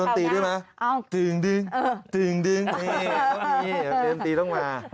เอาดนตรีด้วยไหมดึงดึงดึงดึงดนตรีต้องมา